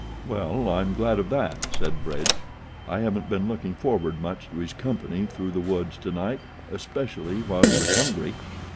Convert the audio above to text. "Well, I'm glad of that," said Bridge. "I haven't been looking forward much to his company through the woods to night especially while he was hungry!"